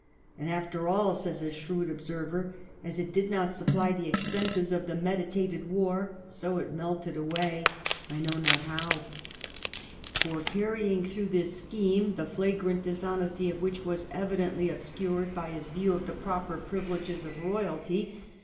And after all, says a shrewd observer, ' as it did not supply the expenses of the meditated war, so it melted away, I know not how/ For carrying through this scheme, the flagrant dis honesty of which was evidently obscured by his view of the proper privileges of royalty (see p.